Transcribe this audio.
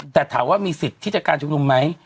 แต่ถามว่ามีสิทธิ์ที่จะการชุมนุมไหม